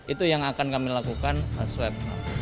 itu yang akan kami lakukan swab